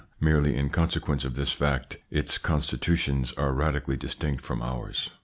Merely in consequence of this : lonstitutions are radically distinct from ours.